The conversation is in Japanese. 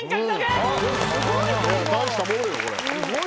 すごい。